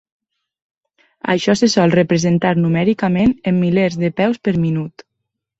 Això se sol representar numèricament en milers de peus per minut.